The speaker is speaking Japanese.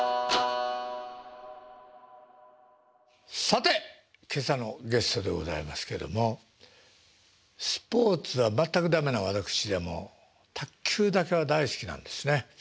さて今朝のゲストでございますけどもスポーツは全く駄目な私でも卓球だけは大好きなんですね。